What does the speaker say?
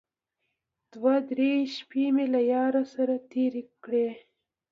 دوه درې شپې مې له ياره سره تېرې کړې.